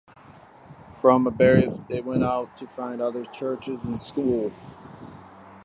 From Aberystwyth they went out to found other churches and school.